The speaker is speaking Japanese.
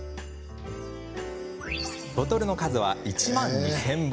ボトルの数は、１万２０００本。